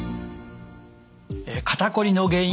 肩こりの原因